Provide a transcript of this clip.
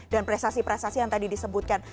dan prestasi prestasi yang tadi disebutkan